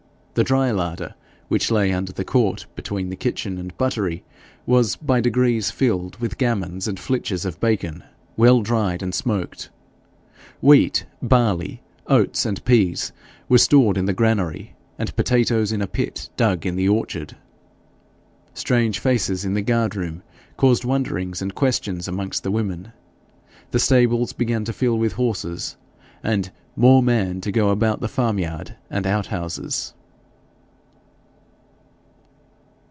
The dry larder, which lay under the court, between the kitchen and buttery, was by degrees filled with gammons and flitches of bacon, well dried and smoked. Wheat, barley, oats, and pease were stored in the granary, and potatoes in a pit dug in the orchard. Strange faces in the guard room caused wonderings and questions amongst the women. The stables began to fill with horses, and 'more man' to go about the farmyard and outhouses.